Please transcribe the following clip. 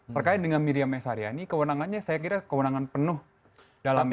berkait dengan miriam s aryani kewenangannya saya kira kewenangan penuh dalam krona ap kpk ya